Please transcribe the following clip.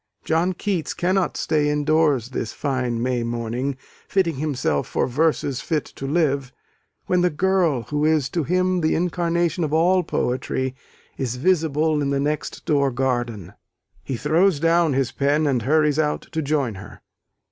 John Keats cannot stay indoors this fine May morning, "fitting himself for verses fit to live," when the girl who is to him the incarnation of all poetry is visible in the next door garden. He throws down his pen and hurries out to join her.